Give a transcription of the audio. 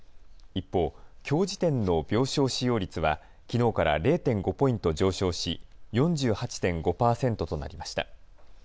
一方、きょう時点の病床使用率はきのうから０．５ポイント上昇し４８．５％となりました。